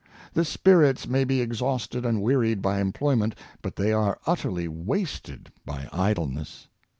The spirits may be exhausted and wearied by employment, but they are utterly wasted by idleness.